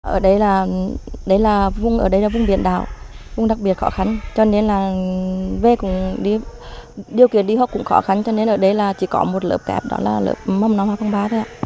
ở đây là vùng biển đảo vùng đặc biệt khó khăn cho nên là về cũng đi điều kiện đi học cũng khó khăn cho nên ở đây là chỉ có một lớp kẹp đó là lớp mầm non hoa phong ba thôi ạ